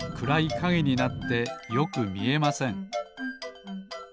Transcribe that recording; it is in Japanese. かげになってよくみえません